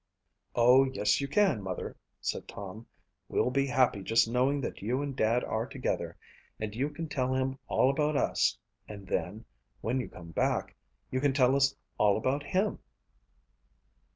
"Oh yes you can, Mother," said Tom. "We'll be happy just knowing that you and Dad are together and you can tell him all about us and then, when you come back, you can tell us all about him."